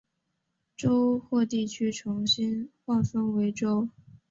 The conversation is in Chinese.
州或地区重新划分为州。